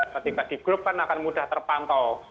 ketika di grup kan akan mudah terpantau